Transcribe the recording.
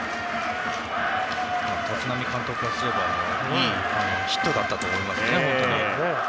立浪監督からすればいいヒットだったと思いますね。